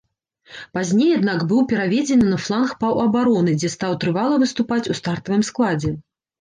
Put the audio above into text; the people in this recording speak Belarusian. Пазней, аднак, быў пераведзены на фланг паўабароны, дзе стаў трывала выступаць у стартавым складзе.